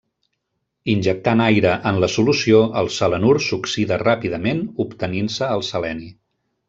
Injectant aire en la solució el selenur s'oxida ràpidament obtenint-se el seleni.